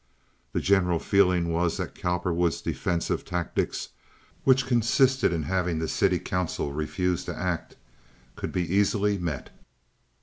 The general feeling was that Cowperwood's defensive tactics—which consisted in having the city council refuse to act—could be easily met.